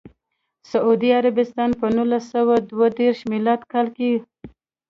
سعودي عربستان په نولس سوه دوه دیرش میلادي کال کې.